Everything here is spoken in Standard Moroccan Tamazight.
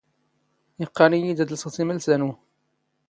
ⵉⵇⵇⴰⵏ ⵉⵢⵉ ⴷ ⴰⴷ ⵍⵙⵖ ⵜⵉⵎⵍⵙⴰ ⵉⵏⵓ.